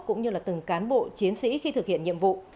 cũng như là từng cán bộ chiến sĩ khi thực hiện nhiệm vụ